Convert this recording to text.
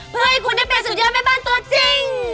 เพื่อให้คุณได้เป็นสุดเย็นมากของบ้านตัวจริง